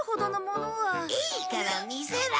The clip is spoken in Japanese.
いいから見せろ！